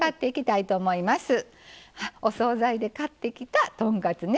お総菜で買ってきた豚カツね